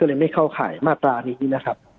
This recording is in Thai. เลยไม่เข้าข่ายมาตรานี้นะครับ